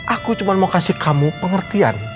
aku cuma mau kasih kamu pengertian